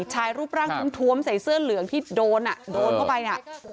ชายรูปร่างท้วมใส่เสื้อเหลืองที่โดนโดนเข้าไปน่ะ